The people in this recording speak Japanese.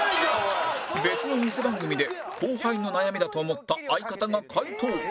別のニセ番組で後輩の悩みだと思った相方が回答